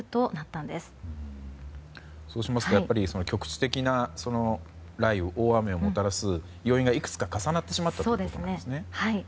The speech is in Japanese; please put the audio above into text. そうしますと局地的な雷雨大雨をもたらす要因がいくつか重なってしまったということなんですね。